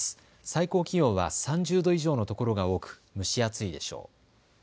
最高気温は３０度以上の所が多く蒸し暑いでしょう。